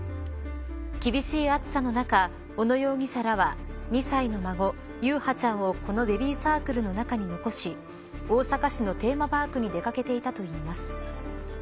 厳しい暑さの中小野容疑者らは２歳の孫優陽ちゃんをこのベビーサークルの中に残し大阪市のテーマパークに出掛けていたといいます。